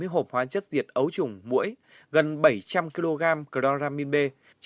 bảy mươi hộp hóa chất diệt ấu trùng muỗi gần bảy trăm linh kg cloramibê